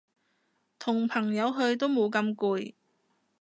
同朋友去都冇咁攰